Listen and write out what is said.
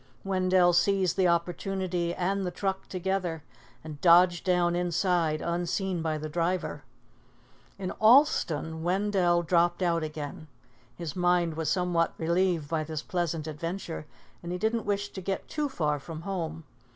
Wendell seized the opportunity and the truck together; and dodged down inside unseen by the driver. In Allston, Wendell dropped out again. His mind was somewhat relieved by this pleasant adventure, and he didn't wish to get too far from home.